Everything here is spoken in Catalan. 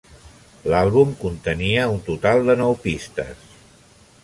L'àlbum contenia un total de nou pistes.